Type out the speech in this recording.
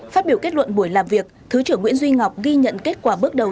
phát biểu kết luận buổi làm việc thứ trưởng nguyễn duy ngọc ghi nhận kết quả bước đầu